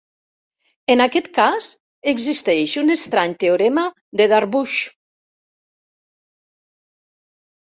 En aquest cas, existeix un estrany teorema de Darboux.